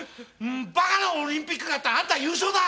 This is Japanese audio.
⁉バカなオリンピックがあったらあんた優勝だ！